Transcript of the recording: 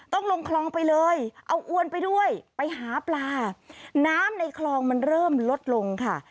ลงคลองไปเลยเอาอ้วนไปด้วยไปหาปลาน้ำในคลองมันเริ่มลดลงค่ะ